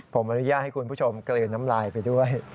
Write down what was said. ผมอนุญาตให้คุณผู้ชมกลืนน้ำลายไปด้วย